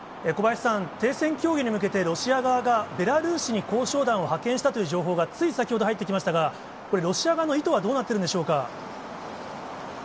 小林さん、停戦協議に向けて、ロシア側がベラルーシに交渉団を派遣したという情報が、つい先ほど入ってきましたが、これ、ロシア側の意図はどうなっているんでしょうか。